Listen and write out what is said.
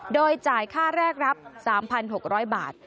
โดยจ่ายค่าแรกรับ๓๖๐๐บาท